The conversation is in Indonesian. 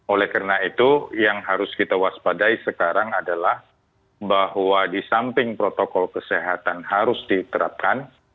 oleh karena itu yang harus kita waspadai sekarang adalah bahwa di samping protokol kesehatan harus diterapkan